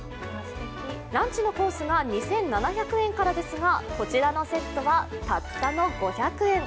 ランチのコースが２７００円からですが、こちらのセットはたったの５００円